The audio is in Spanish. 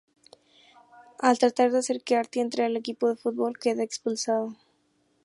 Al tratar de hacer que Artie entre al equipo de football, queda expulsado.